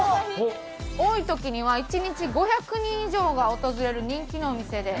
多い時には１日５００人以上が訪れる人気のお店です。